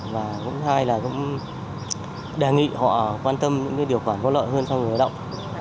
và cũng đề nghị họ quan tâm những điều khoản có lợi hơn cho người lao động